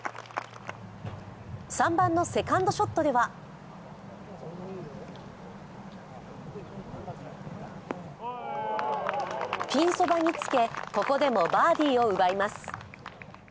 ３番のセカンドショットではピンそばにつけ、ここでもバーディーを奪います。